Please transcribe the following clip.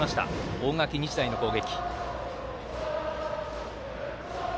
大垣日大の攻撃。